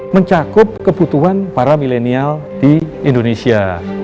mencakup kebutuhan para milenial di indonesia